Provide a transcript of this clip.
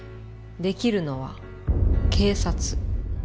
できるのは警察。